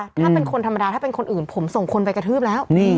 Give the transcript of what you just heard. ถ้าเป็นคนธรรมดาถ้าเป็นคนอื่นผมส่งคนไปกระทืบแล้ว